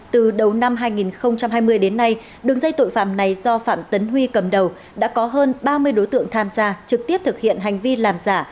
từ đầu năm hai nghìn hai mươi đến nay đường dây tội phạm này do phạm tấn huy cầm đầu đã có hơn ba mươi đối tượng tham gia trực tiếp thực hiện hành vi làm giả